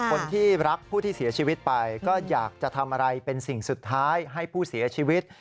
คนที่รักผู้ที่เสียชีวิตไปก็อยากจะทำอะไรเป็นสิ่งสุดท้ายให้ผู้เสียชีวิต